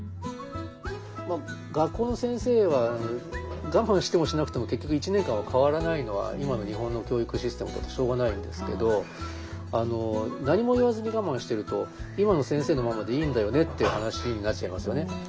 学校の先生はガマンしてもしなくても結局１年間は代わらないのは今の日本の教育システムだとしょうがないんですけど何も言わずにガマンしてると今の先生のままでいいんだよねっていう話になっちゃいますよね。